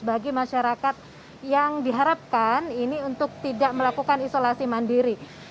bagi masyarakat yang diharapkan ini untuk tidak melakukan isolasi mandiri